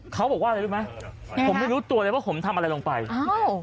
เขาบอกว่าอะไรรู้ไหมผมไม่รู้ตัวเลยว่าผมทำอะไรลงไปอ้าว